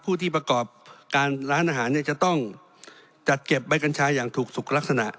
ผู้ที่ประกอบการร้านอาหารเนี่ยจะต้องจัดเก็บใบกัญชาอย่างถูกสุขลักษณะ